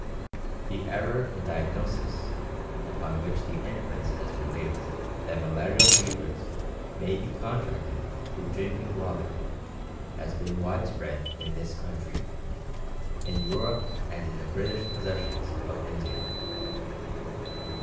The error in diagnosis, upon which the inference has been based that malarial fevers may be contracted through drinking water, has been widespread in this country, in Europe and in the British possessions in India.